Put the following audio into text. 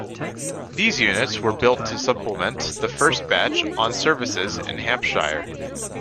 These units were built to supplement the first batch on services in Hampshire.